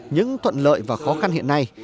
những thuận lợi và khó khăn hiện nay